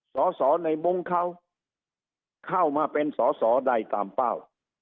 สอสอในมุ้งเขาเข้ามาเป็นสอสอใดตามเป้า